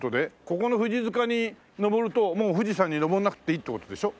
ここの富士塚に登るともう富士山に登らなくていいって事でしょ？